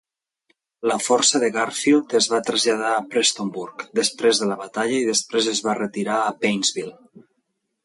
La força de Garfield es va traslladar a Prestonsburg després de la batalla i després es va retirar a Paintsville.